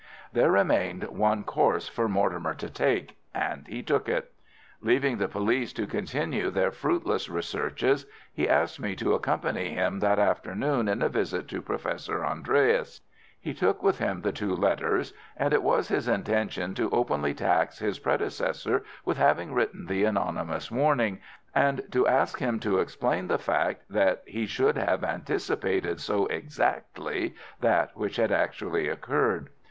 There remained one course for Mortimer to take, and he took it. Leaving the police to continue their fruitless researches, he asked me to accompany him that afternoon in a visit to Professor Andreas. He took with him the two letters, and it was his intention to openly tax his predecessor with having written the anonymous warning, and to ask him to explain the fact that he should have anticipated so exactly that which had actually occurred.